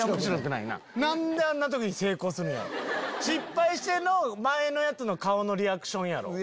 失敗しての前のやつの顔のリアクションやろ。